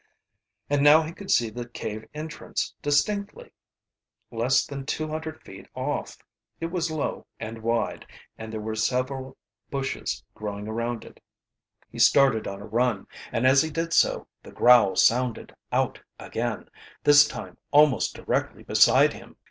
And now he could see the cave entrance distinctly, less than two hundred feet off. It was low and wide, and there were several bushes growing around it. He started on a run, and as he did so the growl sounded out again, this time almost directly beside him.